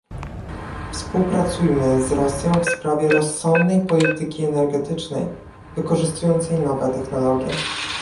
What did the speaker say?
Współpracujmy z Rosją w sprawie rozsądnej polityki energetycznej, wykorzystującej nowe technologie